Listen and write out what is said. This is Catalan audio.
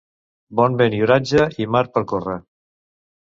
Bon vent i oratge, i mar per córrer.